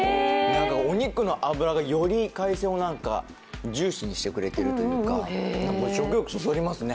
お肉の脂がより海鮮をジューシーにしてくれているというか食欲、そそりますね。